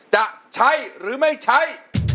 จะใช้หรือไม่ใช้